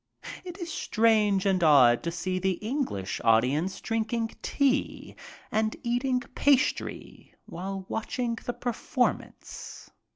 It is strange and odd to see the English audience drinking tea and eating pastry while watching the performance.